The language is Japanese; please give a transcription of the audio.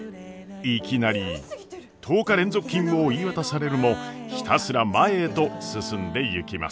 いきなり１０日連続勤務を言い渡されるもひたすら前へと進んでいきます。